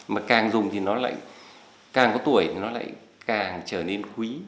mà càng dùng thì nó lại càng có tuổi thì nó lại càng trở nên quý